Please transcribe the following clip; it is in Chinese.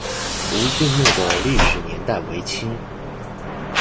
吴郡墓的历史年代为清。